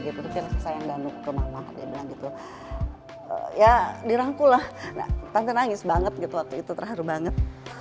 gitu saya danu kemah dia bilang gitu ya dirangkulah tante nangis banget gitu waktu itu terlalu banget